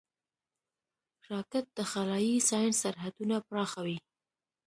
راکټ د خلایي ساینس سرحدونه پراخوي